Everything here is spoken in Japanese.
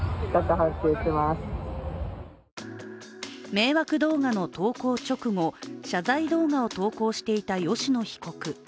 迷惑動画の投稿直後、謝罪動画を投稿していた吉野被告。